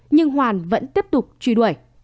nhưng hoàn vẫn tiếp tục truy đuổi